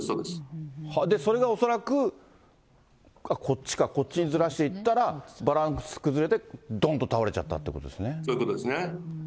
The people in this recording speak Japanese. それが恐らく、あっ、こっちか、こっちにずらしていったら、バランス崩れてどんと倒れちゃったということですね。